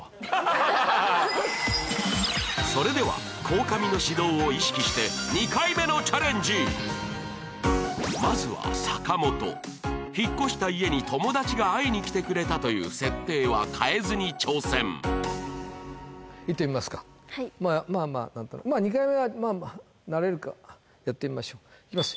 それでは鴻上の指導を意識してまずは坂本引っ越した家に友達が会いに来てくれたという設定は変えずに挑戦いってみますかまあまあ２回目はまあまあなれるかやってみましょういきます